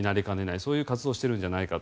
そういう活動をしてるんじゃないかと。